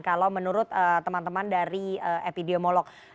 kalau menurut teman teman dari epidemiolog